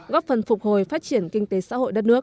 góp phần phục hồi phát triển kinh tế xã hội đất nước